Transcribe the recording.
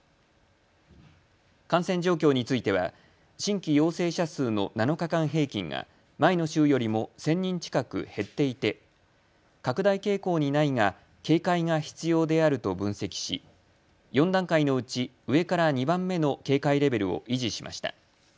感染状況については新規陽性者数の７日間平均が前の週よりも１０００人近く減っていて拡大傾向にないが警戒が必要であると分析し４段階のうち上から２番目の警戒レベルを維持しました。